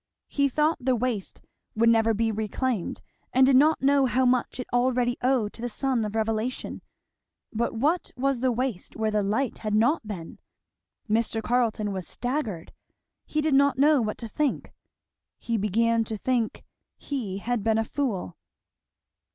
He thought the waste would never be reclaimed, and did not know how much it already owed to the sun of revelation; but what was the waste where that light had not been! Mr. Carleton was staggered. He did not know what to think. He began to think he had been a fool.